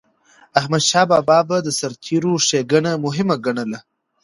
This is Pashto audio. احمدشاه بابا به د سرتيرو ښيګڼه مهمه ګڼله.